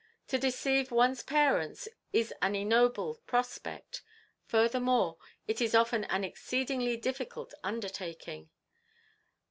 To deceive one's parents is an ignoble prospect; furthermore, it is often an exceedingly difficult undertaking.